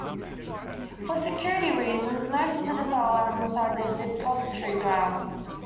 For security reasons, no visitors are allowed inside the depository grounds.